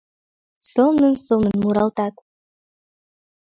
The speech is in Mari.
Сылнын-сылнын муралтат: